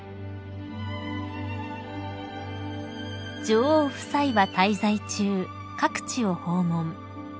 ［女王夫妻は滞在中各地を訪問］